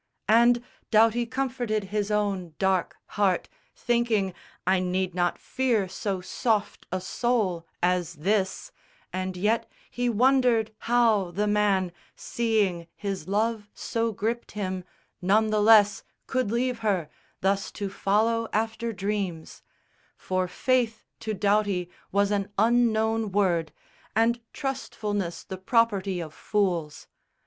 And Doughty comforted his own dark heart Thinking, "I need not fear so soft a soul As this"; and yet, he wondered how the man, Seeing his love so gripped him, none the less Could leave her, thus to follow after dreams; For faith to Doughty was an unknown word, And trustfulness the property of fools.